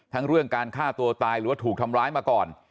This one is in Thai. เรื่องการฆ่าตัวตายหรือว่าถูกทำร้ายมาก่อน